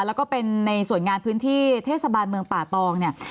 แล้วก็เป็นในส่วนงานพื้นที่เทศบาลเมืองป่าตองเนี่ย